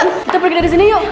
kita pergi dari sini yuk